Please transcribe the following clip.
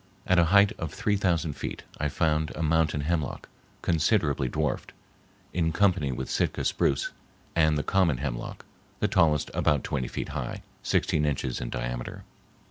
At a height of three thousand feet I found a mountain hemlock, considerably dwarfed, in company with Sitka spruce and the common hemlock, the tallest about twenty feet high, sixteen inches in diameter.